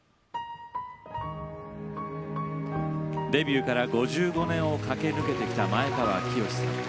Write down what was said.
デビューから５５年を駆け抜けてきた前川清さん。